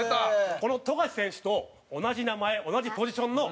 この富樫選手と同じ名前同じポジションのこちらですね。